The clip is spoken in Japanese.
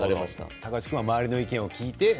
高橋さんは周りの意見を聞いて。